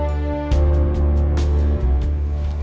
kamu adalah penyelamat kukuh